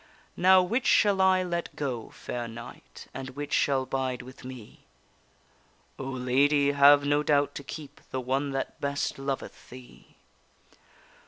Now, which shall I let go, fair knight, And which shall bide with me? O, lady, have no doubt to keep The one that best loveth thee.